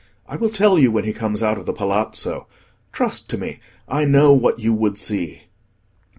I will tell you when he comes out of the Palazzo. Trust to me; I know what you would see."